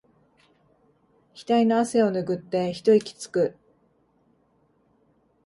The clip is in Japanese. ひたいの汗をぬぐって一息つく